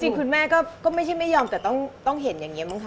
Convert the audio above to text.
จริงคุณแม่ก็ไม่ใช่ไม่ยอมแต่ต้องเห็นอย่างเนี้ยเหมือนค่ะ